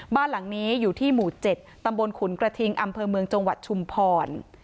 บ้านหลังนี้อยู่ที่หมู่๗ตำบลขุนกระทิงอำเภอเมืองจังหวัดชุมพร